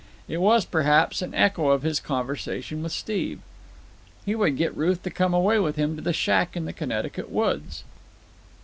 It was, perhaps, an echo of his conversation with Steve. He would get Ruth to come away with him to the shack in the Connecticut woods.